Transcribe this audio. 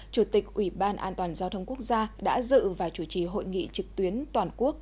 chủ tịch ủy ban an toàn giao thông quốc gia đã dự và chủ trì hội nghị trực tuyến toàn quốc